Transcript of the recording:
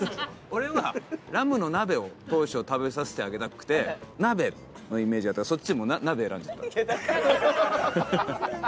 俺はラムの鍋を当初食べさせてあげたくて鍋のイメージがあったからそっちでも鍋選んじゃった。